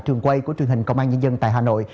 trường quay của truyền hình công an nhân dân tại hà nội